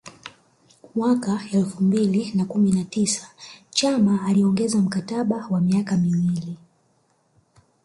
Mwaka elfu mbili na kumi na tisa Chama aliongeza mkataba wa miaka miwili